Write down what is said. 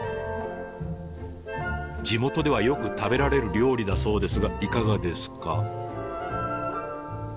地元ではよく食べられる料理だそうですがいかがですか？